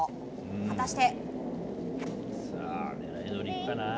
果たして。